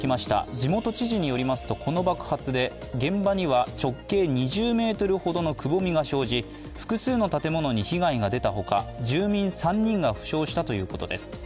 地元知事によりますと、この爆発で現場には直径２０ｍほどのくぼみが生じ、複数の建物に被害が出たほか住民３人が負傷したということです。